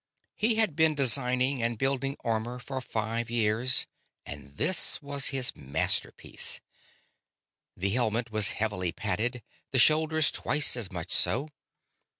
He had been designing and building armor for five years, and this was his masterpiece. The helmet was heavily padded: the shoulders twice as much so.